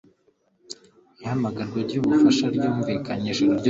Ihamagarwa ry'ubufasha ryumvikanye ijoro ryose.